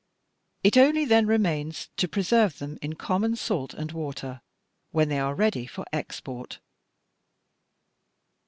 It only then remains to preserve them in common salt and water, when they are ready for export."